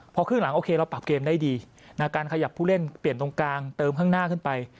พอครึ่งหลังโอเคเราปรับเกมได้ดีการขยับผู้เล่นเปลี่ยนตรงกลางเติมข้างหน้าขึ้นไป